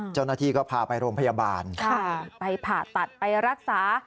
เจ้าหน้าที่ก็พาไปโรงพยาบาลไปผ่าตัดไปรักษา